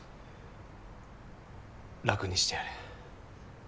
楽にしてやれ。